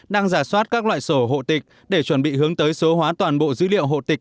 đang giả soát các loại sổ hộ tịch để chuẩn bị hướng tới số hóa toàn bộ dữ liệu hộ tịch